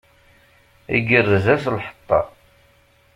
Igerrez-as lḥeṭṭa.